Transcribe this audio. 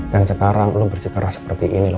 dan sekarang lu bersikap seperti ini lo